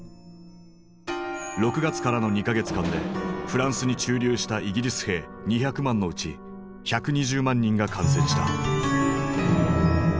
６月からの２か月間でフランスに駐留したイギリス兵２００万のうち１２０万人が感染した。